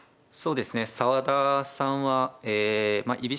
そうですね澤田さんはえまあ